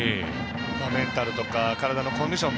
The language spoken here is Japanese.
メンタルとか体のコンディション